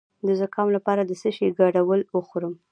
د زکام لپاره د څه شي ګډول وخورم؟